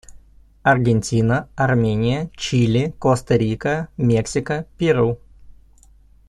Аргентина, Армения, Чили, Коста-Рика, Мексика, Перу.